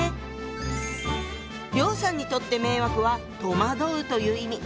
梁さんにとって「迷惑」は「戸惑う」という意味。